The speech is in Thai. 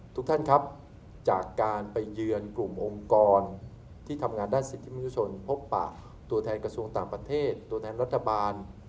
ทุกท่านครับจากการไปเยือนกลุ่มองค์กรที่ทำงานด้านสิทธิมนุษยชนพบปะตัวแทนกระทรวงต่างประเทศตัวแทนรัฐบาล